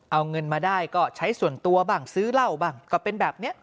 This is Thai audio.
เอาเงินมาได้ก็ใช้ส่วนตัวบ้างซื้อเหล้าบ้างก็เป็นแบบนี้